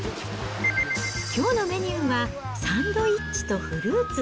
きょうのメニューは、サンドイッチとフルーツ。